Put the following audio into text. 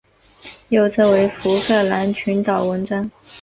右侧为福克兰群岛纹章。